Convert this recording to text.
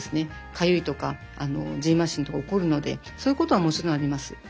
かゆいとかじんましんとか起こるのでそういうことはもちろんあります。